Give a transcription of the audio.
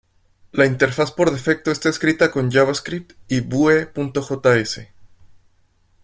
La interfaz por defecto está escrita con Javascript y Vue.js.